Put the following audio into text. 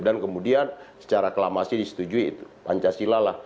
dan kemudian secara kelamasi disetujui pancasila lah